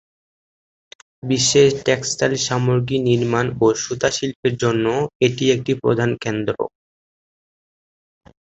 বিশ্বের টেক্সটাইল সামগ্রী নির্মাণ ও সূতা শিল্পের জন্য এটি একটি প্রধান কেন্দ্র।